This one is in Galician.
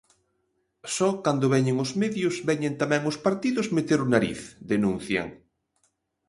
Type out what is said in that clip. Só cando veñen os medios veñen tamén os partidos meter o nariz, denuncian.